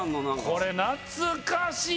これ懐かしい！